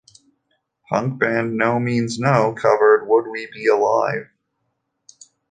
Punk band NoMeansNo covered Would We Be Alive?